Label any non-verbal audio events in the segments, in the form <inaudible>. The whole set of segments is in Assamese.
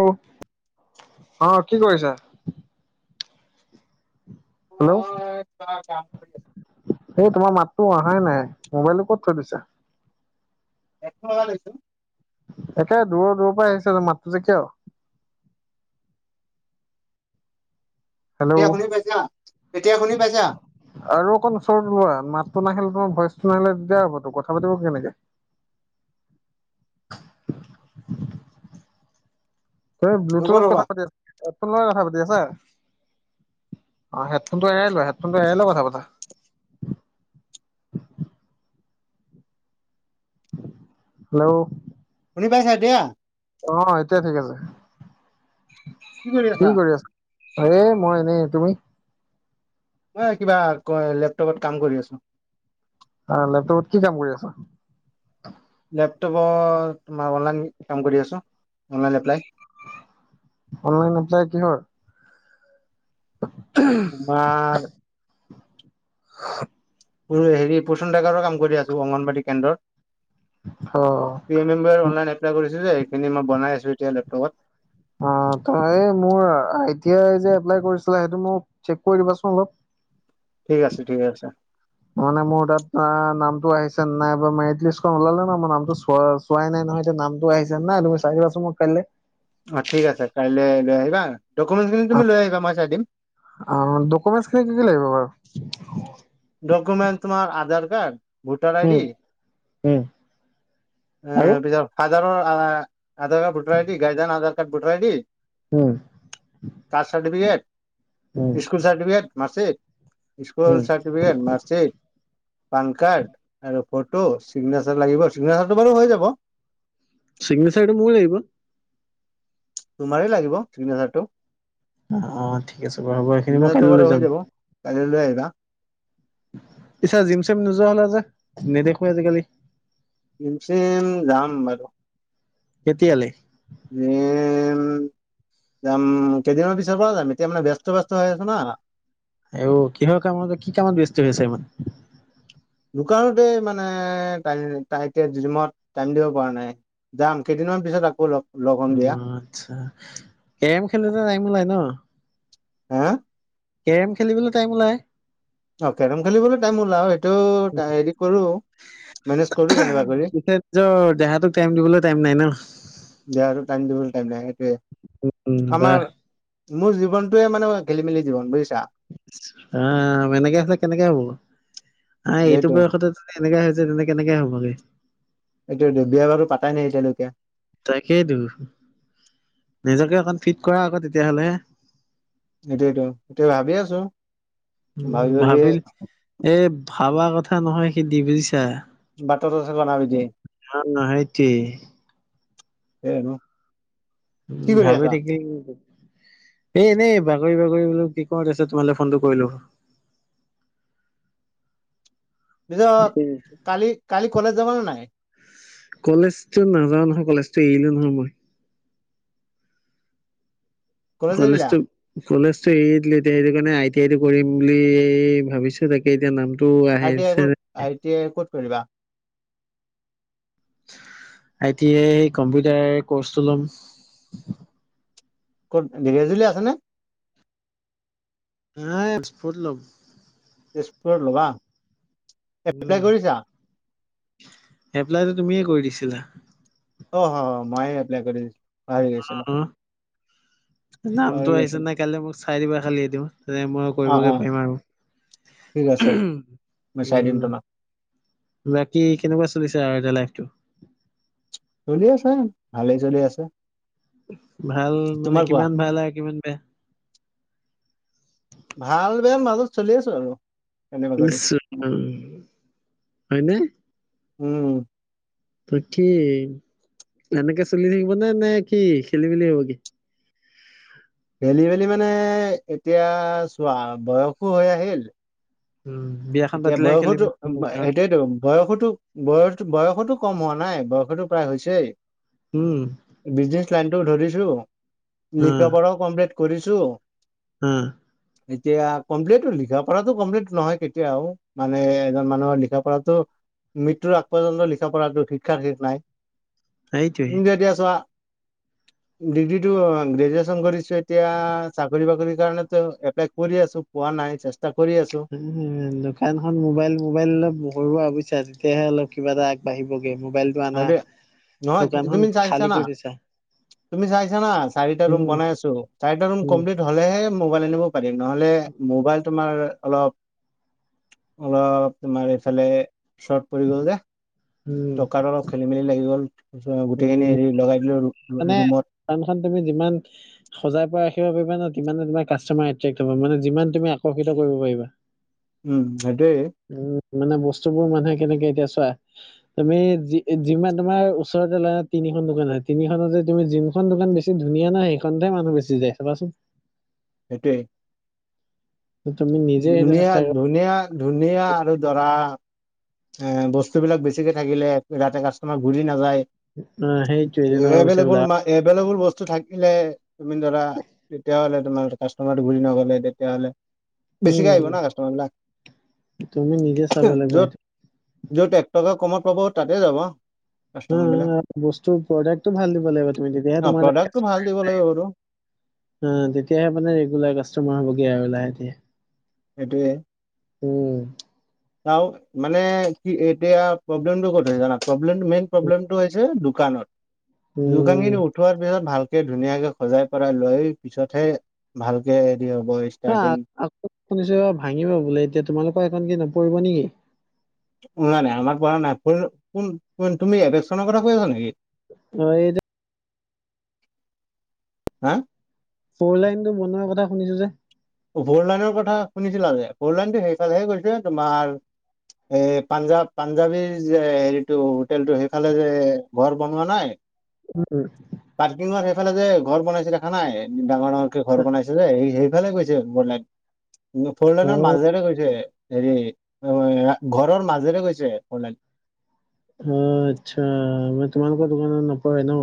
আহ। অ, কি কৰিছা? হেল্ল'। মই কিবা কাম কৰি আছো এই তোমাৰ মাত তো অহাই নাই, মোবাইলো ক'ত থৈ দিছে? <unintelligible> একে দূৰৰ-দূৰৰ পৰা আহিছে মাতটো যে কিয়? এতিয়া হেল্ল' শুনি পাইছো, এতিয়া শুনি পইচা, আৰু অকণ ওচৰতোলোৱা। মাতটো নাখিলে তোমাৰ ভইচটো নাহিলে, তেতিয়া হ'ব তো কথা পাতিব কেনেকে। <unintelligible> এই ৰ'বা ব্লুটুথত ৰ'বা কথা পাতি আছা, হেডফোঁত কথা পাতি আছো। অ হেডফোনটো এৰাই লোৱা, হেডফোনটো এৰাই লোৱা কথা পতা। <unintelligible> হেল্ল'। শুনি পাইছা দিয়া। অ এতিয়া ঠিক আছে। কি কৰি আছা? হে মই এনেই তুমি মই কিবা লেপটপত কাম কৰি আছো। অ, লেপটপত কি কাম কৰি আছো? লেপটপৰ তোমাৰ অনলাইন কাম কৰি আছো। অনলাইন এপ্লাই অনলাইন এপ্লাই কিহৰ? বা <unintelligible> হেৰি পচন্দাটেকাৰোৰ কাম কৰি আছো, অংগনবাদী অ কেন্দ্ৰৰ। <unintelligible> অলন এপ্লাই কৰিছো যে এইখিনি মই বনাই আছো এতিয়া লেপটপত। অ তই মোৰ আই টি আই যে এপ্লাই কৰিছিল, সেইটো মোক চেক কৰি দিবাচোন অলপ। ঠিক আছে, ঠিক আছে। মানে মোৰ তাত নামটো আহিছে ন নাই, মেৰিট লিষ্টখন ওলালে ন মোৰ নামটো চোৱা চোৱাই নাই, নামটো আহিছে নে নাই, তুমি চাইলোৱাছো মই কাইলৈ অ ঠিক আছে, কাইলৈ আহিবা। ডকুমেন্টচ খিনি তুমি লৈ আহিবা মই চাই দিম ডকুমেট খিনি কি-কি লাগিব বাৰু। ডকুমেণ্ট তোমাৰ Aadhaar card voter ID, um um এ আৰু পিছ Aadhaar, Aadhaar card, voter ID, গাইদান Aadhaar card voter ID um caste certificate, um school certificate, ম স্কুলৰ um certificate, marksheet PAN card আৰু ফটো, চিগনেচাৰ লাগিব, চিগনেচাৰটো বাৰু হৈ যাব। চিগ্নেচাৰটো মোৰ লাগিব তোমাৰ লাগিব চিগনেচাৰটো। অ ঠিক আছে বাৰু হ'ব। এইখিনি মই চিগনেচাৰটো বাৰু কাইলৈ হৈ যাম। যাব <unintelligible> পিছত জিম-চিম নোযোৱা হ'লা যে, নেদেখো আজিকালি। জিম-চিম যাম বাৰু কেতিয়ালৈ? <unintelligible> যাম, কেইদিনমান পিছৰ পৰা যাম, এতিয়া মানে ব্যস্ত ব ব্যস্ত হৈ আছ না। আঁইও, কিহৰ কামৰ, কি কামত ব্যস্ত হৈ হৈছে ইমান? ডুকানোতে মানে এতিয়া জিমত টাইম দিব পৰা নাই। যাম। কেইদিনমান পিছত আকৌ অপ উম আচ্ছা, গেম খেলতে টাইম ওলায় ন? হা? কেৰম খেলিবলৈ টাইম ওলায়। অ কেৰম খেলিবলৈ টাইম ওলায়, সেইটো হেৰি কৰো। মেনেজ কৰো কেনেবা কৰি নিজৰ দেহাতোক টাইম দিবলৈ টাইম নাই ন? দেহাটো টাইম দিবলৈ টাইম নাই সেইটোৱে, উম বাহ আমাৰ মোৰ জীৱনটোৱে মানে খেল-মেলি জীৱন বুজিছা? আহ, এনেকে হ'লে কেনেকে হ'ব। আহ, এইটো বয়সতে কেনেকে হৈছে, তেনে কেনেকে হ'বগে। এইটোৱে টো বিয় বাৰু পাতাই নাই এতিয়ালৈকে। তাকেইটো, নিজকে অকণ ফিট কৰা আকৌ তেতিয়াহলেহে এইটোয়তো এতিয়া ভাবি আছো, উম ভাবি ভাবি ভাবিল এ ভাবা কথা নহয় সিদ্ধি বুজিছা। বাতটো আছে কণা বিধি। <unintelligible> <unintelligible> কি উম। কৰি ভাবি আছা থাকি এ এনেই ভাগৰি ভাগৰি বোলো কি কৰো দেছো, তোমালৈ ফোনটো কৰিলো। <unintelligible> পিছত কালি-কালি কলেজ যাব ন নাই? কলেজটো নাযাও নহয়, কলেজটো এৰিলো নহয় মই। কলেজ এৰিলা কলেজটো কলেজটো এৰি দিলো, এতিয়া সেইটো কাৰণে আই টি আই টো কৰিম বুলি ভাবিছো তাকে এতিয়া নাম আ টি আই কত, আই টি আই ক'ত কৰিবা? আইটি আই কম্পিউটাৰ কৰ্চটো লম। ক'ত ঢেঁকীয়াজুলি আছেনে? নাই <unintelligible> তেজপুৰ লোবা? উম। এপ্লাইটো তুমিয়ে কৰি দিছিলা। অ হয়, মই এপ্লাই কৰি দিছো। অ নামটো পাহৰি আহিছে গৈছিলো নাই, কাইলৈ মোক চাই দিবা খালি এইটো। তে মই অ কৰিবগৈ অ পাৰিম আৰু। ঠিক আছে মই চাই দিম উম তোমাক বাকী কেনেকুৱা চলিছে লাইটো। চলি আছে, ভালেই চলি আছে। ভাল মানে, তোমাৰ কোৱা কিমান ভাল আৰু কিমান বেয়া ভাল বেয়া মাজত চলি আছো আৰু। কেনেবা কৰি <unintelligible> হয়নে? উম। ত কি, এনেকে চলি থাকিব নে, নে কি? খেলি মেলি হব কি? খেলি-মেলি মানে এতিয়া চোৱা বয়সো হৈ আহিল, উম বিয়াখন এতিয়া পাতিলেহে খেলি বয়সতো মেলি হ'ব কাৰণ। সেইটোয়ো বয়সতো বয়স বয়সতো কম হয় নাই বয়ষতো প্ৰায় হৈছে, উম বিজনেচ লাইনতটোও ধৰিছো লিখা পঢ়াও কমপ্লিট কৰিছো। উম। এতিয়া কমপ্লেনটো লিখা পৰাতো কমপ্লেইনটো নহয় কে এতিয়াও মানে এজন মানুহৰ লিখা পঢ়াতো মৃত্যুৰ আগপৰ্যন্ত লিখা পঢটো শিক্ষাৰ শেষ নাই। সেইটোৱে তুমি এতিয়া চোৱা ডিগ্ৰীটো গ্ৰেজুৱেচন কৰি এতিয়া চাকৰি বাকৰি কাৰণো এপ্লাই কৰি আছো। পোৱা নাই চেষ্টা কৰি আছো। উম দোকানখন, মোবাইল-মোবাইল অলপ ব <unintelligible> তেতিয়াহে অলপ কিবা এটা আগবাঢ়িব মোবাইলটো আনা, আৰু দে- নহয় দোকানখন তুমি চাইছা খালী না কৰি দিছা। তুমি চাইছা না, চাৰিটা ৰুম উম বনাই আছো। চাৰিটা ৰুম উম কমপ্লিট হলেহে মোবাইল আনিব পাৰিম, নহলে মোবাইল তোমাৰ অলপ-অলপ তোমাৰ এইফালে শৰ্ট পৰি গ'ল যে। উম টকাটো অলপ খেলি-মেলি লাগি গ'ল, গোটেইখিনি উম হেৰি লগাই দিলো ৰু- মানে ৰুমত দোকানখন তুমি যিমান সজাই ৰাখিব পাৰিবা ন, <unintelligible> তমাৰ কাষ্টমাৰ এট্ৰেক্ট হব মানে যিমান তুমি আকৰ্ষিত কৰিব পাৰা। উম। সেইটোৱে। মানে বস্তু বোৰ মানুহে কেনেকে এতিয়া চোৱা, তুমি যিমান তোমাৰ ওচৰতে লৰা তিনি তিনিখন দোকান হয়, তিনিখনত যে তুমি যোনখন দোকান বেছি ধুনীয়া নাই সেইখনতে মানুহ বেছি যায় চাবাচোন। সেইটোৱে। তুমি নিজে সেইটো চেষ্টা কৰা ধুনীয়া-ধুনীয়া-ধুনীয়া আৰু দৰা এ বস্তুবলাক বেছিকে থাকিলে, যাতে কাষ্টমাৰ ঘূৰি নাযায়। অ সেইটোৱে যেনেকুৱা কৈছে এভলেবল বোলা ম এভলেবল বস্তু থাকিলে, তুমি ধৰা তেতিয়াহলে তোমাৰ কাষ্টমাৰটো ঘূৰি নগলে তেতিয়াহলে। বেছিকে উম আহিব ন কাষ্টমাৰ তুমি নিজে চাব বিলাক। লাগিব য'ত সেইটো যত এক টকা কমত পাব তাতে যাব। উম কাষ্টমাৰ উম বিলাক বস্তু প্ৰডাক্টটো ভাল দিব লাগিব তুমি, তেতিয়াহে ন তোমাৰ অ প্ৰডাক্টটো ভাল দিব লাগিব বাৰু তেতিয়াহে মানে ৰেগুলাৰ কাষ্টমাৰ হবগে আৰু লাহে সেইটোৱে। উম। মানে কি এতিয়া প্ৰব্লেমটো কত জান, প্ৰব্লেম মেইন প্ৰব্লেমটো হৈছে দোকান ত, উম দোকানখিনি উঠোৱাৰ পিছত ভাল ধুনীয়াকে সজাই পৰাই লৈ পিছতহে ভালকে হ'ব হা ষ্টাৰ্টিং আকৌ শুনিছো ভাঙিব বোলে, এতিয়া তোমালোকৰ এখন কি নপৰিব নেকি? নাই নাই আমাক পৰা নাই, কোন তুমি এবেকনৰ কথা কৈ আছা নেকি? অ এইটো হা? ফলাইনটো বোনৱা কথা শুনিছো যে। ফৰলাইনৰ কথা শুনিছিলা যে, ফৰলাইনটো সেইফালেহে গৈছে তোমাৰ এই পাঞ্জাৱ-পাঞ্জাবীৰ যে হেৰিটো হোটেলটো সেইফালে যে ঘৰ বনোৱা নাই। পাৰ্কিঙত সেইফালে যে ঘৰ বনাইছিল দে খ নাই। ডাঙৰ-ডাঙৰকে ঘৰ অ বনাইছে যে, সেইফালে গৈ ফৰলেৰ মাজ গৈছে হেৰি, ঘৰৰ মাজেৰে গৈছে ফৰ্লাইন অ' আচ্ছা মই তোমালোকৰ দোকানত নপৰে ন।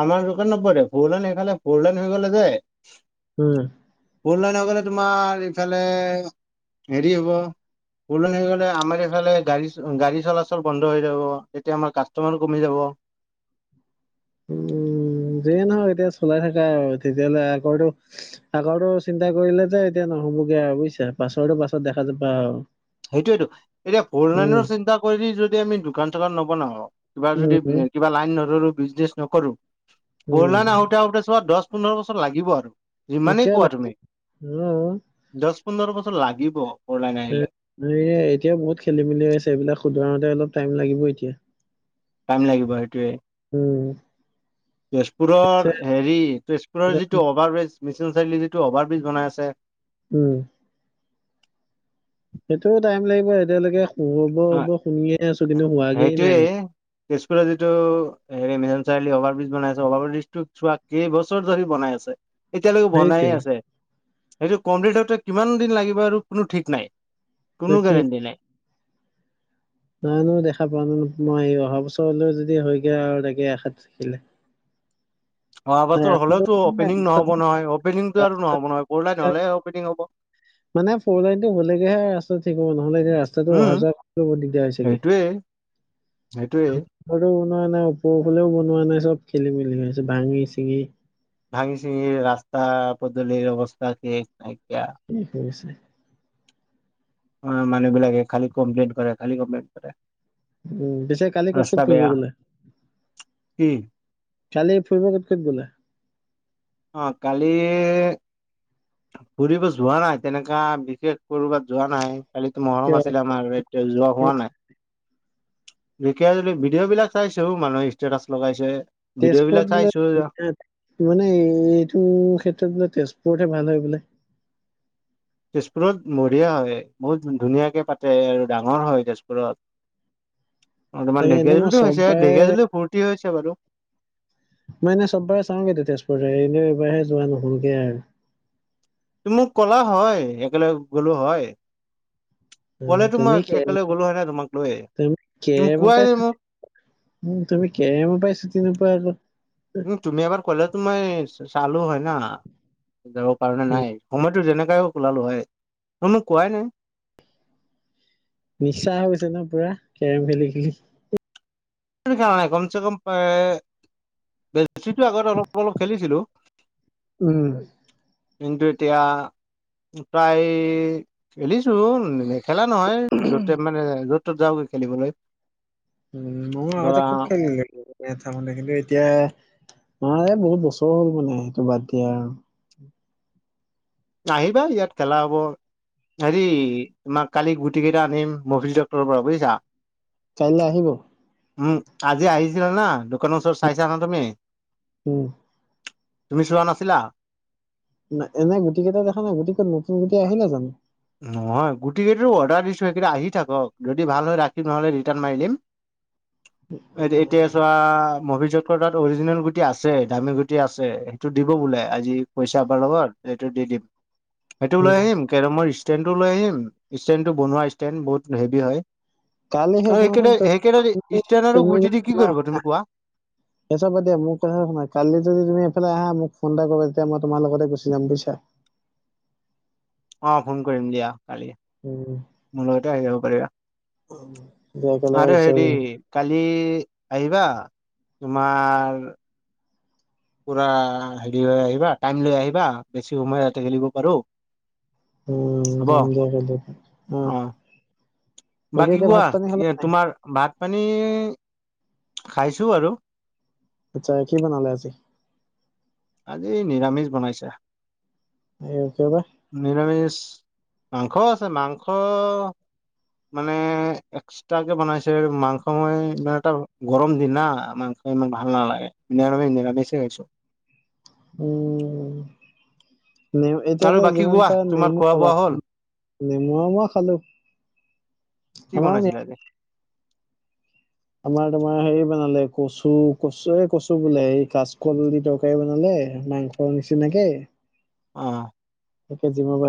আমাৰ দোকানৰ নপৰে বৰলাইন বৰলাইন হৈ গ'লে যে উম। বৰলাইন হৈ গ'লে তোমাৰ ইফালে হেৰি হ'ব। বৰলাইন হৈ গ'লে আমাৰ এইফালে গাড়ী গাড়ী চলাচল বন্ধ হৈ যাব। তেতিয়া আমাৰ কাষ্টমাৰো কমি যাব। অ উম উম, যিয়ে নহক এতিয়া চলাই থাকা আৰু তেতিয়াহলে আগো আগটো চিন্তা কৰিলে যে এতিয়া নহয় নহ'বগে আৰু বুজিছে, পাছৰো পাছত দেখা যাবা আৰু। সেইটোয়টো, এতিয়া উম ফৰ্লাইনৰ চিন্তা কৰি যদি আমি দোকান চোকান নবনাও, কিবা উম যদি উম কিবা লাইন নধৰু। মিচ নকৰো উম বৰলাইন আহোতে আহোতে চোৱা দহ পোন্ধৰ বছৰ লাগিব আৰু যিমানেই কোৱা তেতিয়াহ'লে তুমি অ দহ পোন্ধৰ বছৰ লাগিব বৰলাইন আহিলে। এই এতিয়া বহুত খেলি মেলি আছে। এইবিলাক শুধাৰুতে অলপ টাইম লাগিব। এতিয়া টাইম লাগিব এইটো উম, পিছে তেজপুৰৰ হেৰি তেজপুৰৰ যিটো এনেকুৱা- অভাৰ ব্ৰিজ মিচন চাৰিআলিত যিটো অভাৰব্ৰিজ বনাই আছে। উম। সেইটোও টাইম লাগিব। এতিয়ালৈকে হ'ব হ'ব শুনিয়ে আছো। কিন্তু হোৱাগেই নাই। হেইটোৱে তেজপুৰৰ যিটো হেৰি মিছন চাৰআলি অভাৰ ব্ৰিজ বনাইছে অভাৰ ব্ৰিজটোক চোৱা কেইবছৰ ধৰি বনাই আছে। এতিয়ালৈকে বনাইে সেইটোৱে আছে, সেইটো কমপ্লিট কিমান দিন লাগিব আৰু কোনো ঠিক নাই কোনো গেৰেণ্টি নাই। নাই নহ দেখা পাওঁ নে মই অহা বছৰলৈ যদি হৈগে আৰু তাকে আষাৰ থাকিলে। অহ নাই, বাৰটো ৰাস্তাটো হলেওতো নাই, অপেনিং নহ'ব ৰাস্তাটো- নহয় অপেনিংতটো আৰু ৰাস্তাটো নহ'ব নহয় বৰলাইন হলেহ অপেনিং হ'ব। মানে ফ'ৰ লাইন টো হ'লেগেহে ৰাস্তাটো ঠিক হ'ব, নহ'লে এনে ৰাস্তাটো অহা যোৱা কৰিব দিগদাৰ হৈছেগে। হেইটোৱেই ফৰলাইন ওপৰ ফাললেও বনোৱা নাই চ'ব খেলি মেলি হৈছে ভাঙি চিঙি ভাঙি চিঙি ৰাস্তা পদলিৰ অৱস্থা কে কিনো কৰিছে। অ' মানুহ বিলাকে খালি কমপ্লেইন কৰে, খালী কমপ্লেইন কৰে। উম, পিছে কালি ক'ত ক'ত ৰাস্তা ফুৰিব বেয়া গ'লে। কি কালি ফুৰিব ক'ত ক'ত গ'লে। অ' কালি ফুব যোৱা নাই তেনেকা বিশেষ কৰ'বাত যোৱা নাই। কালিতো মহৰম কিয় আছিলে, আমাৰ এতিয়া যোৱা হোৱা নাই। ঢেকিয়াজুলি ভিডিঅ' বিলাক চাইছো মানুহে ষ্টেটাচ লগাইছে। ভিডিঅ' বিলাক তেজপুৰত চাইছো বো মানে এই এইটো ক্ষেত্ৰত বোলে তেজপুৰতহে ভাল হয় বোলে। তেজপুৰত বহিয়া হয় বহুত ধুনীয়াকে পাতে আৰু ডাঙৰ হয়, তেজপুৰত। <inaudible> অলমান এনে মই ঢেকীয়াজুলিত হৈছে, চববাৰে ঢেকীয়াজল ফূৰ্তি হৈছে বাৰু। মই এনেই চবাৰে চাওঁ গে তেতিয়া তেজপুৰৰে এনে এইবাৰহে যোৱা নহলগে আৰু। তুমি মোক ক'লা হয়, একেলগ গ'লো হয়। অ' ক'লেতো মই তুমি কে একেলগে গ'লো হয় না তোমাক লৈ তুমি তুমি কেৰে ম কোৱাই পাই নাই মোক উম, তুমি কেৰেম পৰা চুতি নোুপোৱা আৰু উম, তুমি এবাৰ ক'লেতো মই চালো হয় ন। যাবৰ পাৰণে নাই, সময়তো যেনেকাই ওলালো হয়। তই কো কোৱাই নাই। <unintelligible> নিচা হৈছে ন পুৰা? কেৰম খেলি-খেলি <unintelligible> কমচে কম <unintelligible> আগতে অলপ অলপ খেলিছিলো উম। কিন্তু এতিয়া তাই খেলিছো, নেখেলা নহয়। য'তে মানে য'ত ত'ত যাওঁ গৈ খেলিবলৈ উম, মই আগতে ধৰা খুব খেলালে। তাৰ মানে কিন্তু এতিয়া ম এই বহুত বছৰ হ'ল মানে, এতিয়া বাদ দিয়া আৰু। আহিবা ইয়াত খেলা হ'ব। হেৰি তোমাক কালি গুটি কেইটা আনিম মই অফিচৰ পৰা বুজিছা। কাইলৈ আহিব। উম, আজি আহিছিলা না দোকানৰ ওচৰত চাইছা ন তুমি। বৌহ তুমি চোৱা নাছিলা? ন এনে গুট কেইটা দেখা নাই গুটি কত নতুন গুটি আহিলে জানো। নহয় গোটেইকেইটা অৰ্ডাৰ দিছো, সেইকেইটা আহি থাকক। যদি ভাল হৈ ৰাখিম নহ'লে ৰিটাৰ্ণ মাৰি দিম। এ এতিয়া চোৱা মভিজতকৰ তাত অৰিজিনেল গুটি আছে, দামী গুটি আছে। সেইটো দিব বোলে। আজি পইচা আবাৰ লগত এইটো দি দিম সেইটো লৈ উম, আহিম, কেৰমৰ ষ্টেণ্টো লৈ আহিম, ষ্টেণ্ডটো বনোৱা ষ্টেণ বহুত হেভি হয়। কালি শেষ আৰু সেইকেইটা মুহূৰ্তত সেইকেইটা <unintelligible> শুনাচোন ষ্টেণ্ড আৰু তুমি গুটি দি কি কৰিব তুমি কোৱা সেই চবা দিয়া। মোৰ কথা শুনা কালি যদি তুমি এইফালে আহা মোক ফোন এটা কৰিব, তেতিয়া মই তোমাৰ লগতে গুচি যাম বুজিছা। অ ফোন কৰিম দিয়া কালি। উম, মোৰ লগতে আহ যাব পাৰিবা। দিয়া একেলগে আৰু গুচি হেৰি আহিম কালি আহিবা। তোমাৰ পুৰা হেৰি হৈ আহিবা টাইম লৈ আহিবা, বেছি সময়য়াতে খেলিব পাৰো। উম। হ'ব যাম অ দিয়া। আহ বাকী কোৱা, তোমাৰ ভাত পানী খাইছোঁ আৰু। আচ্ছা, কি বনালে আজি? আজি নিৰামিষ বনাইছে। এই কিয় বা নিৰামিষ মাংস আছে, মাংস মানে এক্সট্ৰাকে বনাইছে। মাংস মই মান এটা গৰম দিন না মাংস ইমান ভাল নালাগে। নিৰামিষ নিৰামিষ খাইছো। উম। নেম আৰু এতিয়াত বাকী যিমান কোৱা পাৰে তোমাৰ নেমু খোৱা খাব, বোৱা হ'ল নেমু মই খালোঁ। কি বনাইছিল এতিয়া? আমাৰ তোমাৰ হেৰি বনালে কচু-কচু-কচু বোলে এই কাচকলল দি তৰকাৰ বনালে। মাংস নিচিনাকে। অ একে জিম পাৰি